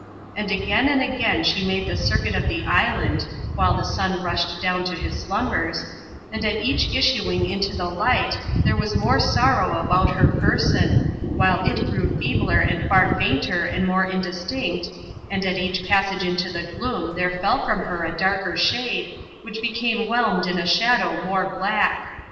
And again and again she made the circuit of the island, (while the sun rushed down to his slumbers), and at each issuing into the light there was more sorrow about her person, while it grew feebler and far fainter and more indistinct, and at each passage into the gloom there fell from her a darker shade, which became whelmed in a shadow more black.